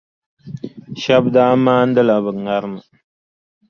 Shɛba daa maanila bɛ ŋarima.